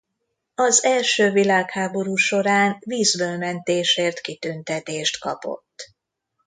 Az első világháború során vízből mentésért kitüntetést kapott.